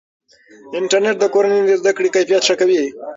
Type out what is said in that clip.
انټرنیټ د کورنۍ د زده کړې کیفیت ښه کوي.